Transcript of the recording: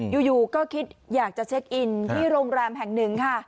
อยู่ก็คิดอยากจะเช็คอินที่โรงแรมแห่งหนึ่งค่ะ